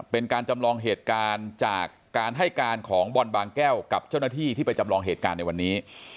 เป็นการจำลองเหตุการณ์จากการให้การของบอลบางแก้วกับเจ้าหน้าที่ที่ไปจำลองเหตุการณ์ในวันนี้